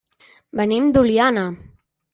Venim d'Oliana.